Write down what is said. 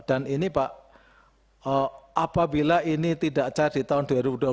dan ini pak apabila ini tidak cair di tahun dua ribu dua puluh dua